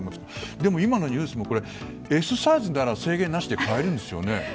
でも今のニュースもＳサイズなら制限なしで買えるんですよね。